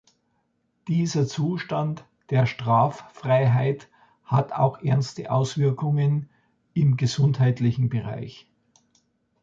Dieser Zustand der Straffreiheit hat auch ernste Auswirkungen im gesundheitlichen Bereich.